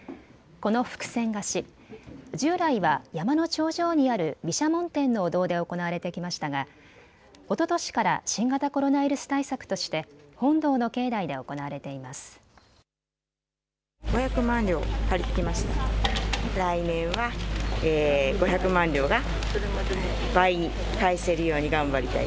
この福銭貸し、従来は山の頂上にある毘沙門天のお堂で行われてきましたがおととしから新型コロナウイルス対策として本堂の境内で行われています。